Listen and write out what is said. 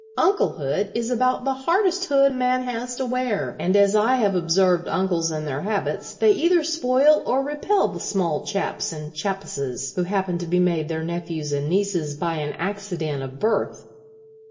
Unclehood is about the hardest hood man has to wear, and as I have observed uncles and their habits, they either spoil or repel the small chaps and chappesses who happen to be made their nephews and nieces by an accident of birth.